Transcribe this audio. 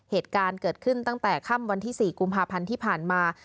เหตุการณ์เกิดขึ้นตั้งแต่ค่ำวันที่๔กุมภาพันธ์ที่ผ่านมา